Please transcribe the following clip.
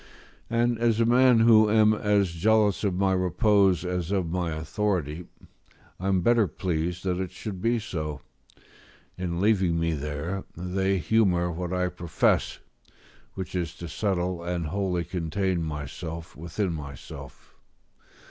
And as a man who am as jealous of my repose as of my authority, I am better pleased that it should be so; in leaving me there, they humour what I profess, which is to settle and wholly contain myself within myself.